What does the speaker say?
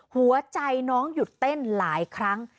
หัวใจน้องหยุดเต้นหลายครั้ง